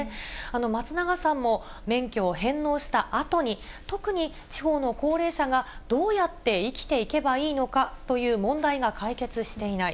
松永さんも、免許を返納したあとに、特に地方の高齢者がどうやって生きていけばいいのかという問題が解決していない。